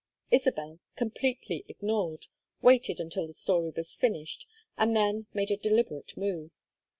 Isabel, completely ignored, waited until the story was finished, and then made a deliberate move.